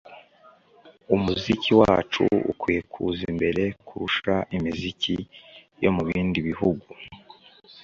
umuziki wacu ukwiye kuza imbere kurusha imiziki yo mu bindi bihugu